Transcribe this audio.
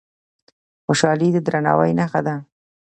خوشالي د درناوي نښه ده.